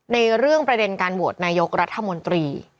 ในเรื่องประเด็นการโหวตนายกรัฐมนตรี